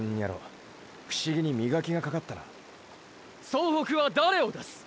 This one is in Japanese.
総北は誰を出す？